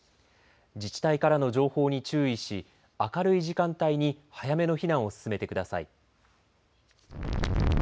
自治体からの情報に注意し明るい時間帯に早めの避難を進めてください。